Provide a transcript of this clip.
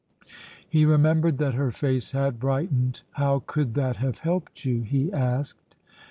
He remembered that her face had brightened. "How could that have helped you?" he asked.